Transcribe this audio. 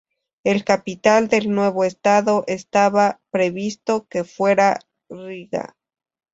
La capital del nuevo estado estaba previsto que fuera Riga.